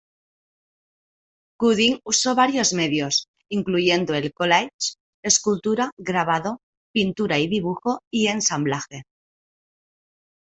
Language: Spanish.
Goodwin usó varios medios, incluyendo el collage, escultura, grabado, pintura y dibujo y ensamblaje.